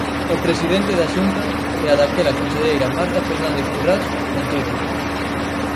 O presidente da Xunta e a daquela conselleira Marta Fernández Currás mentiron.